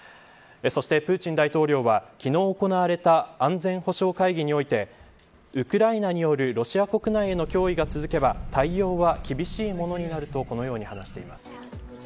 そしてプーチン大統領は昨日行われた安全保障会議においてウクライナによるロシア国内への脅威が続けば対応は厳しいものになるとこのように話しています。